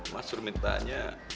mas suruh mintaannya